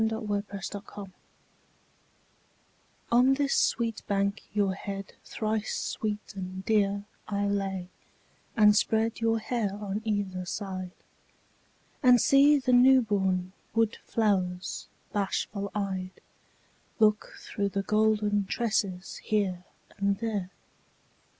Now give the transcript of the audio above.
YOUTH'S SPRING TRIBUTE On this sweet bank your head thrice sweet and dear I lay, and spread your hair on either side, And see the newborn wood flowers bashful eyed Look through the golden tresses here and there.